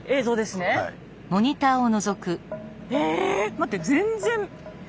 ⁉待って全然。